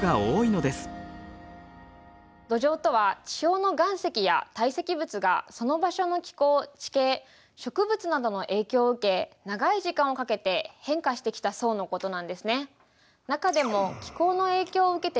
土壌とは地表の岩石や堆積物がその場所の気候地形植物などの影響を受け長い時間をかけて変化してきた層のことなんですね。